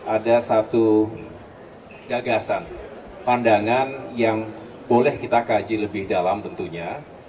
ada satu gagasan pandangan yang boleh kita kaji lebih dalam tentunya